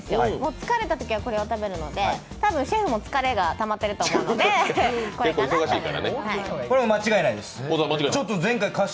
疲れたときにはこれを食べるのでシェフも多分、疲れがたまってると思うのでこれかなって。